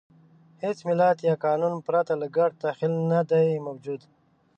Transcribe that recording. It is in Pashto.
هېڅ ملت یا قانون پرته له ګډ تخیل نهدی موجود.